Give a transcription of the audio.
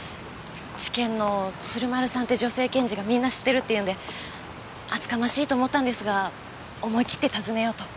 地検の鶴丸さんって女性検事がみんな知ってるって言うんで厚かましいと思ったんですが思い切って訪ねようと。